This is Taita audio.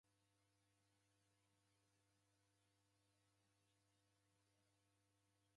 W'ana w'a skulu w'akumbilwa ngolo kungia misarigho.